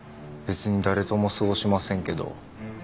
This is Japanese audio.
別に誰とも過ごしませんけど。